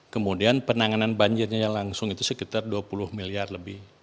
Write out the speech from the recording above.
kemudian penanganan banjirnya langsung itu sekitar dua puluh miliar lebih